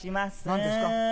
何ですか？